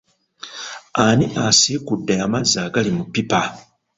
Ani asiikudde amazzi agali mu pipa?